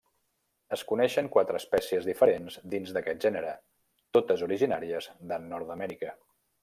Es coneixen quatre espècies diferents dins d'aquest gènere, totes originàries de Nord-amèrica.